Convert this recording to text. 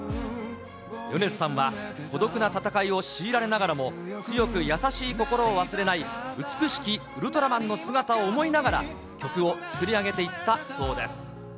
米津さんは孤独な戦いを強いられながらも、強く優しい心を忘れない、美しきウルトラマンの姿を思いながら、曲を作り上げていったそうです。